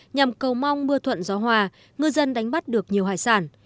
nhằm cầu mong mưa thuận gió hòa ngư dân đánh bắt được nhiều hải sản